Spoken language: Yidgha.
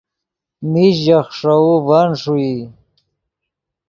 میش ژے خیݰوؤ ڤن ݰوئی